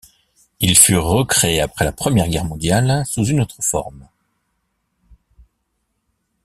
Ils furent recréés après la Première Guerre mondiale sous une autre forme.